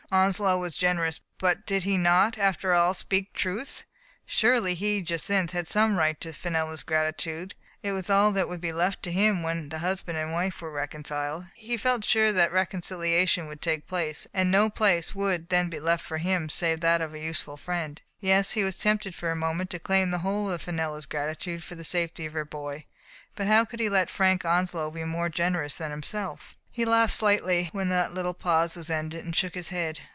Onslow was generous, but did he not, after all, speak truth? Surely he — Jacynth — had some right to Fenella's gratitude ; it was all that would be left to him when the husband and wife were recon ciled. He felt sure that that reconciliation would take place, and no place would then be left for him save that of a useful friend. Yes, he was tempted for a moment to claim the whole of Fenella's gratitude for the safety of her boy. But how could he let Frank Onslow be more generous than himself? He laughed slightly when that little pause was ended, and shook his head.